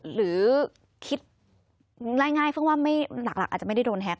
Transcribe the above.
หรือคิดง่ายเพิ่งว่าหลักอาจจะไม่ได้โดนแก๊ก